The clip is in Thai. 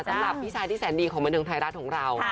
สำหรับพี่ชายที่แสนดีของบันเทิงไทยรัฐของเรา